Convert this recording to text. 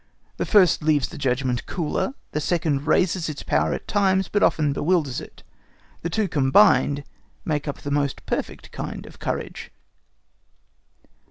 The first leaves the judgment cooler, the second raises its power at times, but often bewilders it. The two combined make up the most perfect kind of courage.